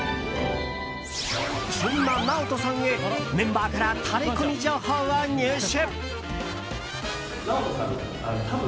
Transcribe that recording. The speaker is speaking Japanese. そんなＮＡＯＴＯさんへメンバーからタレコミ情報を入手。